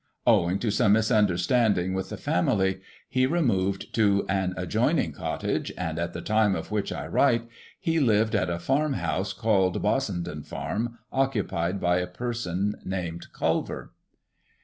Owing to some misunder standing with the family, he removed to an adjoining cottage, and, at the time of which I write, he lived at a farm house, called Bossenden farm, occupied by a person named Culver.